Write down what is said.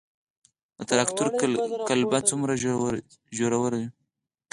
د تراکتور قلبه څومره ژوره وي؟